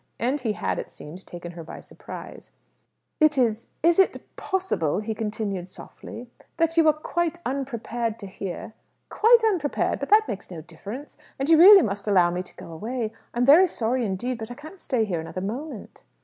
And he had, it seemed, taken her by surprise. "Is it possible," he continued softly, "that you were quite unprepared to hear " "Quite unprepared. But that makes no difference. And you really must allow me to go away. I'm very sorry, indeed, but I can't stay here another moment."